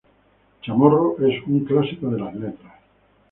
Chamorro es un clásico de las letras.